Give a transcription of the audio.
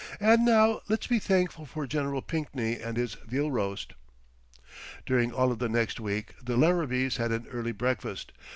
"And now let's be thankful for Gen. Pinkney and this veal roast." During all of the next week the Larrabees had an early breakfast.